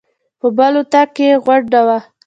په بل اطاق کې یې غونډه وه.